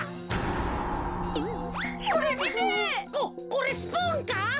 ここれスプーンか？